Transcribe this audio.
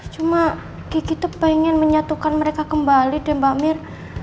cuma gigi itu pengen menyatukan mereka kembali deh mbak mir